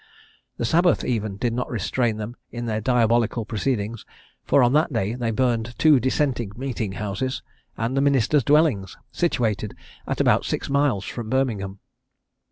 The Sabbath even did not restrain them in their diabolical proceedings, for on that day they burned two dissenting meeting houses, and the ministers' dwellings, situated at about six miles from Birmingham.